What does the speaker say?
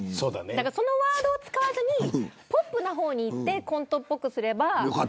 そのワードを使わずにポップな方にいってコントっぽくすれば。